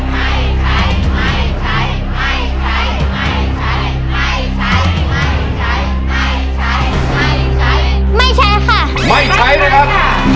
ไม่ใช้ค่ะไม่ใช้นะครับ